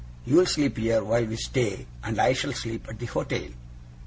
'You'll sleep here, while we stay, and I shall sleep at the hotel.